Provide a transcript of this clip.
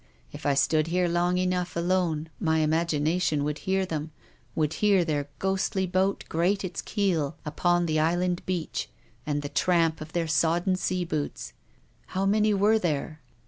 If I stood here long enough alone my imagination would hear them, would hear their ghostly boat grate its keel upon the Island beach, and the tramp of their sodden sea boots. How many were there?"